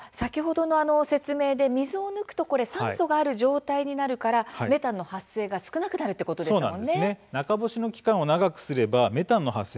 先ほどの説明で水を抜くと酸素がある状態になるのでメタンが出るということですよね。